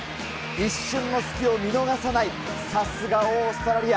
一瞬の隙を見逃さない、さすがオーストラリア。